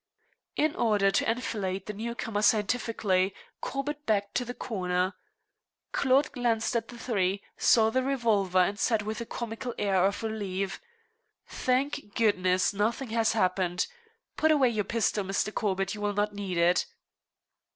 In order to enfilade the new comer scientifically, Corbett backed to the corner. Claude glanced at the three, saw the revolver, and said with a comical air of relief: "Thank goodness, nothing has happened. Put away your pistol, Mr. Corbett; you will not need it."